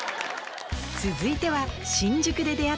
続いてはあ！